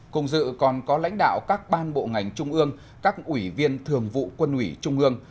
cùng dự còn có lãnh đạo các ban bộ ngành trung ương các ủy viên thường vụ quân ủy trung ương